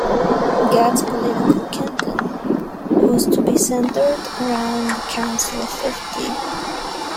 God's Political Kingdom was to be centered around the Council of Fifty.